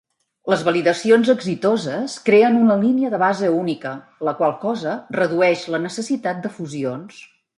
Les validacions exitoses creen una línia de base única, la qual cosa redueix la necessitat de fusions.